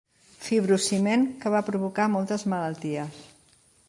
Fibrociment que va provocar moltes malalties.